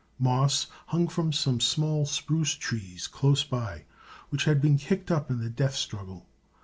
Moss hung from some small spruce trees close by, which had been kicked up in the death struggle.